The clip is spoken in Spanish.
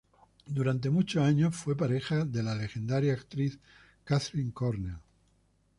Durante muchos años fue pareja de la legendaria actriz Katharine Cornell.